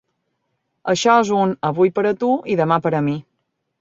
Això és un ‘avui per a tu i demà per a mi’.